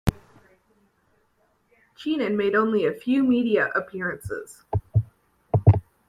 Chinen made only a few media appearances.